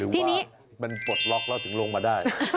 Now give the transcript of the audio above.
หรือว่ามันปลดล็อกแล้วถึงลงมาได้